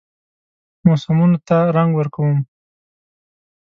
موسمونو ته رنګ ورکوم